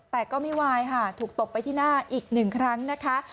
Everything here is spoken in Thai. แต่ก็ไม่วายค่ะถูกตบไปที่หน้าอีกหนึ่งครั้งนะคะ